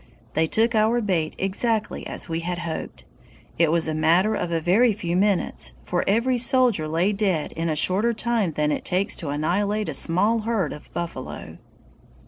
They took our bait exactly as we had hoped! It was a matter of a very few minutes, for every soldier lay dead in a shorter time than it takes to annihilate a small herd of buffalo.